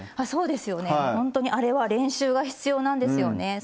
あそうですよね。ほんとにあれは練習が必要なんですよね。